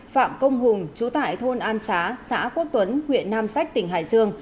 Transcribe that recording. phạm công hùng chú tại thôn an xá xã quốc tuấn huyện nam sách tỉnh hải dương